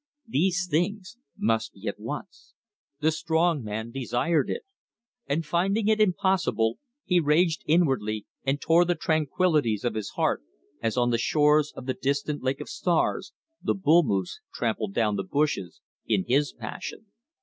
These things must be at once. The strong man desired it. And finding it impossible, he raged inwardly and tore the tranquillities of his heart, as on the shores of the distant Lake of Stars, the bull moose trampled down the bushes in his passion.